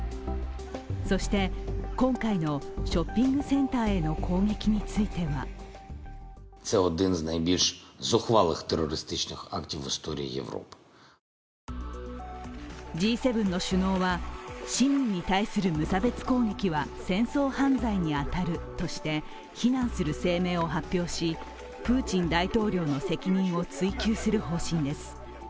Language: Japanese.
そして、今回のショッピングセンターへの攻撃についてはＧ７の首脳は、市民に対する無差別攻撃は戦争犯罪に当たるとして、非難する声明を発表しプーチン大統領の責任を追及する方針です。